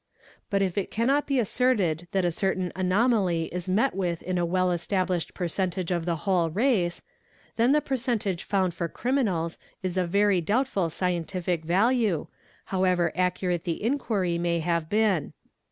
Bu if it cannot be asserted that a certain anomaly is met with in a wel established percentage of the whole race, then the percentage found fo criminals is of very doubtful scientific value, however accurate th inquiry may have been.